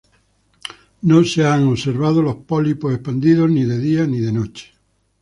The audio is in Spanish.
No se han observado los pólipos expandidos, ni de día, ni de noche.